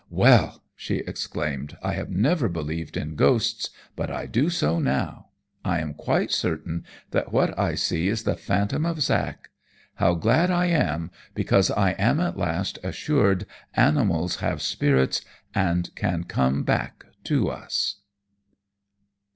'Well!' she exclaimed, 'I have never believed in ghosts, but I do so now. I am quite certain that what I see is the phantom of Zack! How glad I am, because I am at last assured animals have spirits and can come back to us.'"